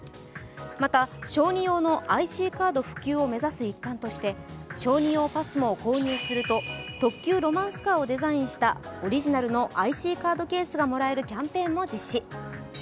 また、小児用のＩＣカード普及を目指す一環として小人用ＰＡＳＭＯを購入すると特急ロマンスカーをデザインしたオリジナルＩＣカードケースがもらえるキャンペーンも実施。